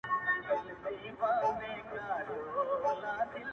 o و خوره هم خوړل دي، ونغره هم خوړل دي.